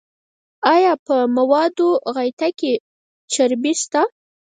ایا په موادو غایطه کې چربی شته؟